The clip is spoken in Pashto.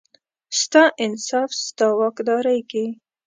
ستا انصاف، ستا واکدارۍ کې،